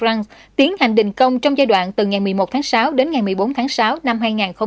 air france tiến hành đình công trong giai đoạn từ ngày một mươi một tháng sáu đến ngày một mươi bốn tháng sáu năm hai nghìn một mươi sáu